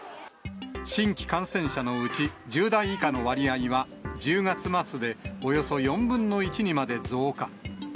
新規感染者のうち、１０代以下の割合は１０月末でおよそ４分の１にまで増加。